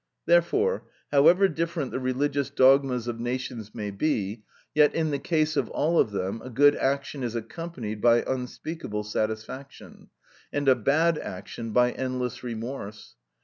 Therefore, however different the religious dogmas of nations may be, yet in the case of all of them, a good action is accompanied by unspeakable satisfaction, and a bad action by endless remorse.